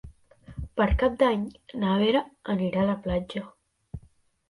Per Cap d'Any na Vera anirà a la platja.